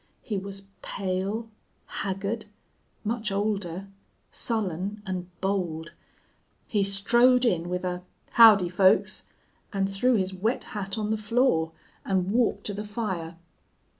He was pale, haggard, much older, sullen, and bold. He strode in with a 'Howdy, folks,' and threw his wet hat on the floor, and walked to the fire.